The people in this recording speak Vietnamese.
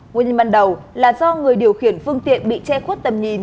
nguyên nhân ban đầu là do người điều khiển phương tiện bị che khuất tầm nhìn